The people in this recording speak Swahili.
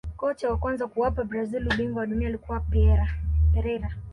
kocha wa kwanza kuwapa brazil ubingwa wa dunia alikuwa Pereira